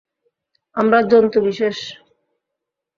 আমরা জন্তু বিশেষ।